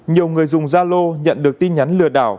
nhiều người dùng zalo nhận được tin nhắn lừa đảo